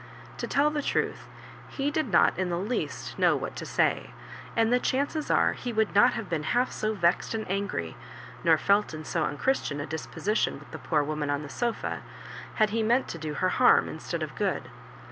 To tell the truth, he did not in the least know what to say, and the chances are he would not have been half so vexed and angry, nor felt in so unchristian a liisposition with the poor woman on the sofa, had le meant to do her harm instead of good.